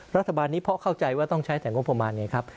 รัฐบาลนี้เพราะเข้าใจว่าต้องใช้แต่งบประมาณไงครับ